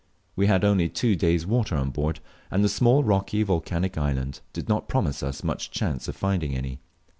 We had only two days' water on board, and the small, rocky, volcanic island did not promise us much chance of finding any.